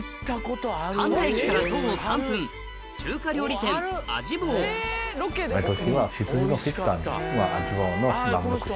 神田駅から徒歩３分中華料理店大体。